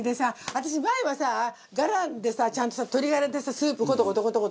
私前はさガラでさちゃんと鶏ガラでさスープコトコトコトコト取ってたの。